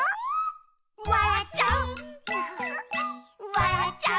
「わらっちゃう」